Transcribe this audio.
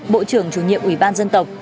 bộ trưởng chủ nhiệm ủy ban dân tộc